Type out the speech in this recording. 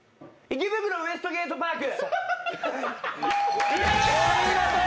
「池袋ウエストゲートパーク」